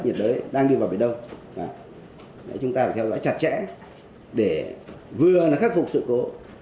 nhiệt đới đang đi vào biển đông chúng ta phải theo dõi chặt chẽ để vừa là khắc phục sự cố